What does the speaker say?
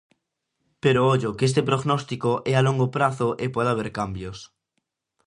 Pero ollo que este prognóstico é a longo prazo e pode haber cambios.